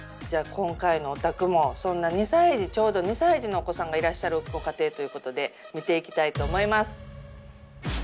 じゃあ今回のお宅もそんな２歳児ちょうど２歳児のお子さんがいらっしゃるご家庭ということで見ていきたいと思います。